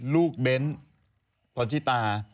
ลูกเบ้นตอนชี้ตา